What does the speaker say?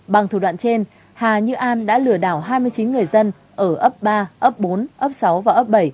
bằng thủ đoạn trên hà như an đã lừa đảo hai mươi chín người dân ở ấp ba ấp bốn ấp sáu và ấp bảy